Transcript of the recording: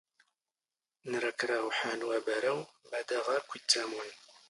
ⵏⵔⴰ ⴽⵔⴰ ⵓⵃⴰⵏⵓ ⴰⴱⴰⵔⴰⵡ ⵎⴰⴷ ⴰⵖ ⴰⴽⴽⵯ ⵉⵜⵜⴰⵎⵓⵏ.